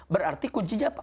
berarti kuncinya apa